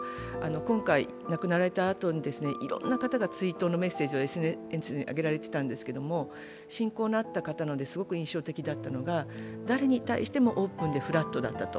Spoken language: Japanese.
今回、亡くなられたあとにいろんな方が追悼のメッセージをＳＮＳに上げられていたんですけれども親交のあった方のですごく印象的だったのは誰に対してもオープンでフラットだったと。